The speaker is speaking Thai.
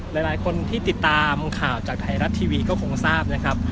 หลายคนที่ติดตามข่าวจากไทยรัฐทีวีก็คงทราบนะครับ